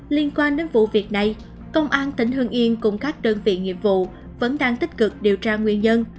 liên quan đến vụ việc này công an tỉnh hương yên cùng các đơn vị nghiệp vụ vẫn đang tích cực điều tra nguyên nhân